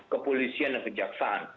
kepolisian dan kejaksaan